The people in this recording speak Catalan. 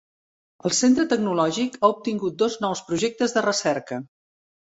El centre tecnològic ha obtingut dos nous projectes de recerca.